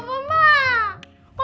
oh bapak ma